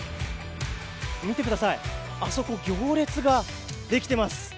見てください、あそこ、行列ができてます。